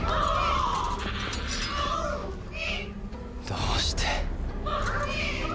どうして！？